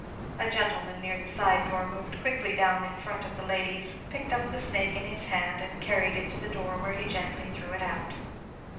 A gentleman near the side door moved quickly down in front of the ladies, picked up the snake in his hand, and carried it to the door, where he gently threw it out.